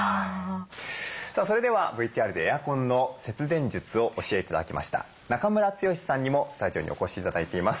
それではＶＴＲでエアコンの節電術を教えて頂きました中村剛さんにもスタジオにお越し頂いています。